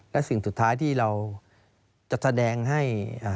และสิ่งสุดท้ายที่เราจะแสดงให้